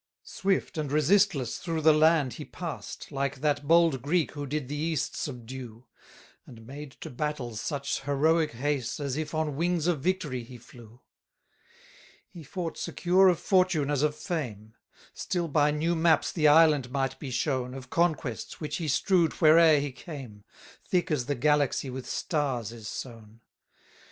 13 Swift and resistless through the land he past, Like that bold Greek who did the East subdue, And made to battles such heroic haste, As if on wings of victory he flew. 14 He fought secure of fortune as of fame: Still by new maps the island might be shown, Of conquests, which he strew'd where'er he came, Thick as the galaxy with stars is sown.